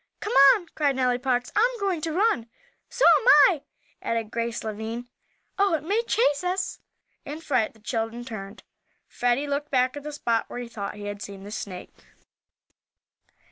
"Come on!" cried Nellie Parks. "I'm going to run!" "So am I!" added Grace Lavine. "Oh, it may chase us!" In fright the children turned, Freddie looking back at the spot where he thought he had seen the snake.